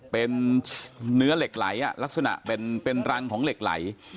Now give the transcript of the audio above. เป็นเนื้อเหล็กไหลลักษณะเป็นรังของเหล็กไหล